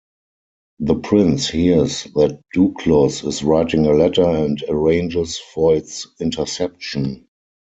The Prince hears that Duclos is writing a letter, and arranges for its interception.